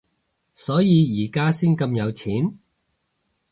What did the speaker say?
所以而家先咁有錢？